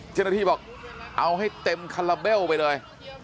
เจ้าหน้าที่บอกเอาให้เต็มคาราเบลไปเลย